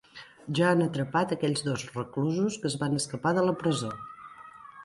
Ja han atrapat aquells dos reclusos que es van escapar de la presó.